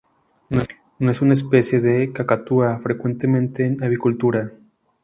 No es una especie de cacatúa frecuente en avicultura.